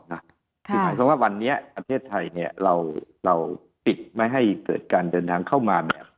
คือหมายความว่าวันนี้ประเทศไทยเราปิดไม่ให้เกิดการเดินทางเข้ามา